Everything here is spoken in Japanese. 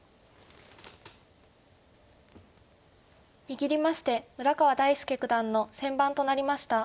握りまして村川大介九段の先番となりました。